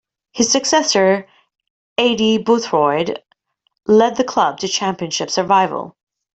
His successor, Aidy Boothroyd, led the club to Championship survival.